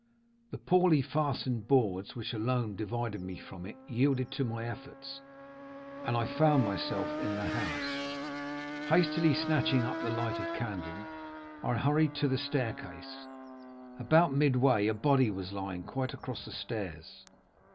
The poorly fastened boards which alone divided me from it yielded to my efforts, and I found myself in the house. Hastily snatching up the lighted candle, I hurried to the staircase; about midway a body was lying quite across the stairs.